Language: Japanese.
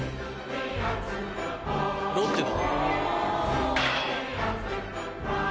ロッテだ。